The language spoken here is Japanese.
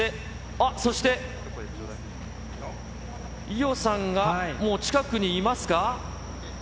あっ、そして伊代さんが、もう近くにいますか。